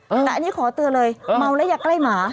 แต่อันนี้ขอเตือนเลยเมาแล้วอย่าใกล้หมา